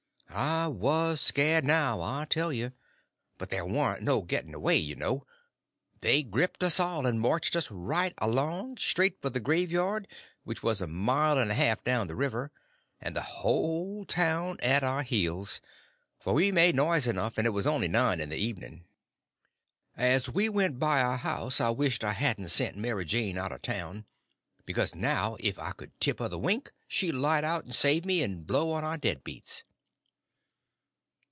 I was scared, now, I tell you. But there warn't no getting away, you know. They gripped us all, and marched us right along, straight for the graveyard, which was a mile and a half down the river, and the whole town at our heels, for we made noise enough, and it was only nine in the evening. As we went by our house I wished I hadn't sent Mary Jane out of town; because now if I could tip her the wink she'd light out and save me, and blow on our dead beats.